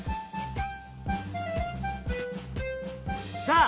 さあ